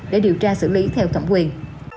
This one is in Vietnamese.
để điều tra xử lý theo thẩm quyền